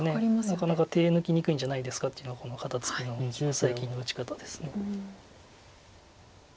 なかなか手抜きにくいんじゃないですかっていうのがこの肩ツキの最近の打ち方です。